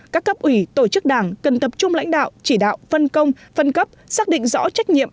các cấp ủy tổ chức đảng cần tập trung lãnh đạo chỉ đạo phân công phân cấp xác định rõ trách nhiệm